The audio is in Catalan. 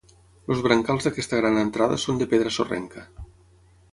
Els brancals d'aquesta gran entrada són de pedra sorrenca.